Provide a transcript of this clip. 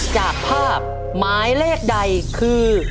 จากภาพหมายเลขใดคือ